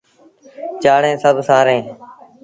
چآڙيٚن سڀ سآريٚݩ۔